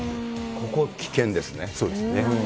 ここ危険ですね。